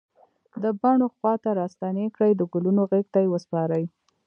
د بڼ و خواته راستنې کړي د ګلونو غیږ ته یې وسپاری